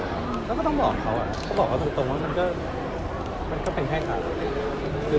เราก็ต้องบอกเขาบอกตรงว่ามันก็เป็นแค่กัน